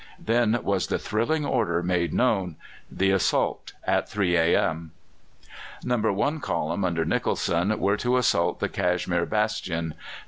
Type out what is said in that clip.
Then was the thrilling order made known: "The assault at 3 a.m.!" No. 1. column, under Nicholson, were to assault the Cashmere Bastion; No.